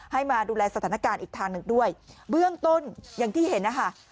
มาดูแลสถานการณ์อีกทางหนึ่งด้วยเบื้องต้นอย่างที่เห็นนะคะ